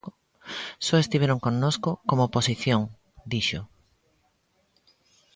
"Só estiveron connosco como oposición", dixo.